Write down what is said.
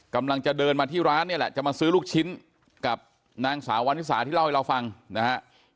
กำลังจะเดินมาที่ร้านเนี่ยแหละจะมาซื้อลูกชิ้นกับนางสาววานิสาที่เล่าให้เราฟังนะฮะ